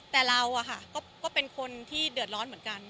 แต่เราก็เป็นคนที่เดือดร้อนเหมือนกัน